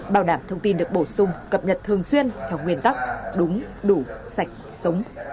bảo đảm thông tin được bổ sung cập nhật thường xuyên theo nguyên tắc đúng đủ sạch sống